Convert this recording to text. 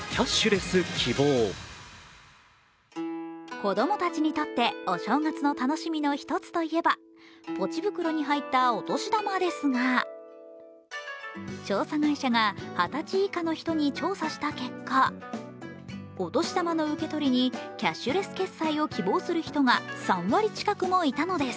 子供たちにとってお正月の楽しみの１つといえば、ポチ袋に入ったお年玉ですが調査会社が二十歳以下の人に調査した結果、お年玉の受け取りにキャッシュレス決済を希望する人が３割近くもいたのです。